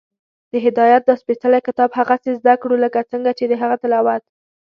د هدایت دا سپېڅلی کتاب هغسې زده کړو، لکه څنګه چې د هغه تلاوت